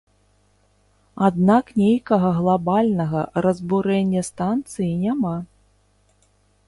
Аднак нейкага глабальнага разбурэння станцыі няма.